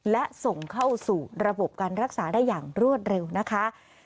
และส่งเข้าสู่ระบบการรักษาได้อย่างรวดเร็วนะคะ